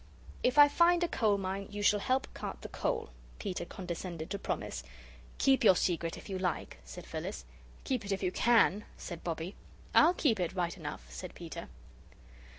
"If I find a coal mine, you shall help cart the coal," Peter condescended to promise. "Keep your secret if you like," said Phyllis. "Keep it if you CAN," said Bobbie. "I'll keep it, right enough," said Peter.